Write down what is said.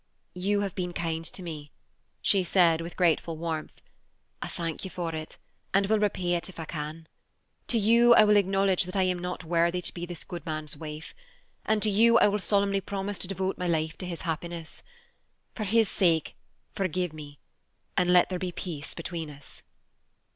"You have been kind to me," she said, with grateful warmth. "I thank you for it, and will repay it if I can. To you I will acknowledge that I am not worthy to be this good man's wife, and to you I will solemnly promise to devote my life to his happiness. For his sake forgive me, and let there be peace between us."